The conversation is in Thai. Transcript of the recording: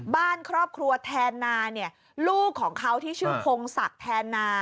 บ้านครอบครัวแทนนาเนี่ยลูกของเขาที่ชื่อพงศักดิ์แทนนา